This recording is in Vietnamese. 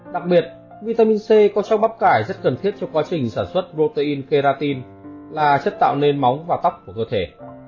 đặc biệt vitamin c có trong bắp cải rất cần thiết cho quá trình sản xuất protein keratin là chất tạo nên móng và tóc của cơ thể